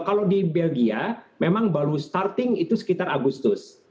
kalau di belgia memang baru starting itu sekitar agustus